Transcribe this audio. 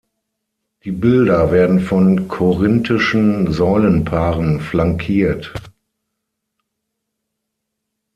Die Bilder werden von korinthischen Säulenpaaren flankiert.